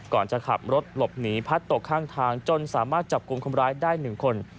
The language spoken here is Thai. ก่อนจะขับรถหลบหนีพัดตกข้างทางจนสามารถจับกลุ่มคนร้ายได้๑คน